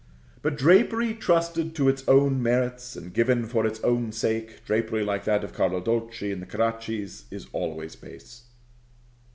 But drapery trusted to its own merits, and given for its own sake, drapery like that of Carlo Dolci and the Caraccis, is always base.